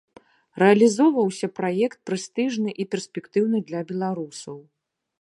Рэалізоўваўся праект прэстыжны і перспектыўны для беларусаў.